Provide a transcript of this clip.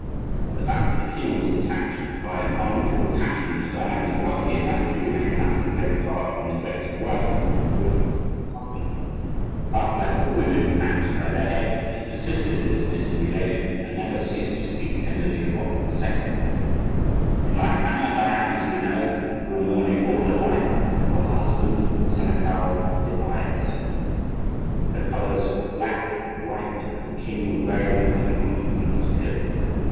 The fact that the king was attached by an unalterable passion to Diane de Poitiers naturally made Catherine play the part of a neglected wife who adores her husband; but, like all women who act by their head, she persisted in this dissimulation and never ceased to speak tenderly of Henri II. In like manner Diane, as we know, wore mourning all her life for her husband the Senechal de Breze. Her colors were black and white, and the king was wearing them at the tournament when he was killed.